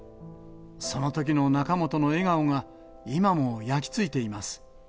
そのときの仲本の笑顔が、今も焼き付いています。